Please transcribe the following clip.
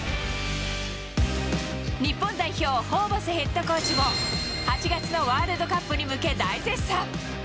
日本代表、ホーバスヘッドコーチも、８月のワールドカップに向け大絶賛。